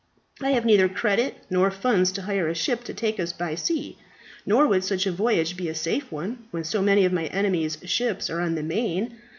I have neither credit nor funds to hire a ship to take us by sea. Nor would such a voyage be a safe one, when so many of my enemies' ships are on the main.